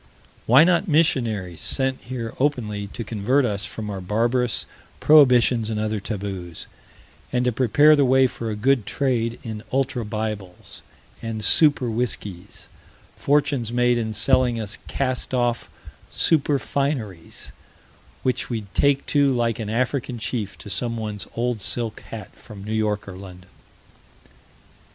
Why not missionaries sent here openly to convert us from our barbarous prohibitions and other taboos, and to prepare the way for a good trade in ultra bibles and super whiskeys; fortunes made in selling us cast off super fineries, which we'd take to like an African chief to someone's old silk hat from New York or London?